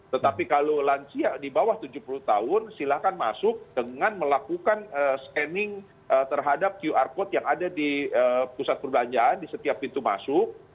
tetapi kalau lansia di bawah tujuh puluh tahun silahkan masuk dengan melakukan scanning terhadap qr code yang ada di pusat perbelanjaan di setiap pintu masuk